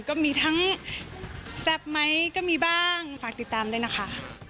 ก็มีทั้งแซ่บไหมก็มีบ้างฝากติดตามด้วยนะคะ